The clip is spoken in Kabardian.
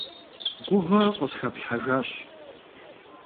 Гугъэ къысхэплъхьэжащ.